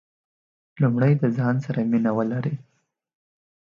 لومړی د ځان سره مینه ولرئ .